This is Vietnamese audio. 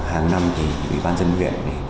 hàng năm thì ủy ban dân viện